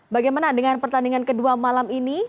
bagaimana dengan pertandingan kedua malam ini